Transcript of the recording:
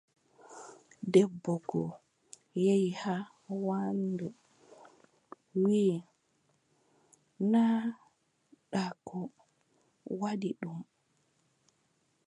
Debbo goo yehi haa waandu, wiʼata naa ndaa ko waddi ɗum.